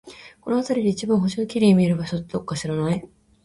この辺りで一番星が綺麗に見える場所って、どこか知らない？